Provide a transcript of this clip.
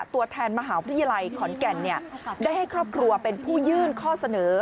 ตัวแทนมหาวิทยาลัยขอนแก่นได้ให้ครอบครัวเป็นผู้ยื่นข้อเสนอ